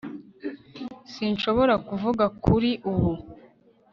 sinshobora kuvuga kuri ubu